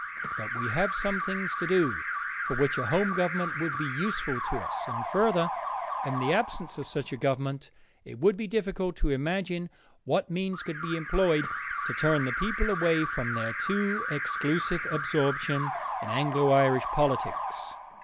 But we have some things to do for which a home government would be useful to us, and further, in the absence of such a government, it would be difficult to imagine what means could be employed to turn the people away from their too exclusive absorption in Anglo Irish politics.